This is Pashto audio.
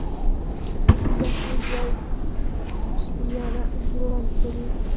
دا ټول یو خوشبینانه انځور وړاندې کوي.